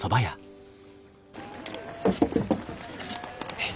はい。